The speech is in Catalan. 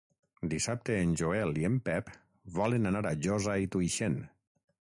Dissabte en Joel i en Pep volen anar a Josa i Tuixén.